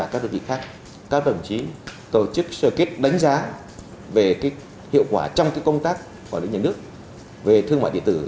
các tổ chức sở kết đánh giá về hiệu quả trong công tác quản lý nhà nước về thương mại điện tử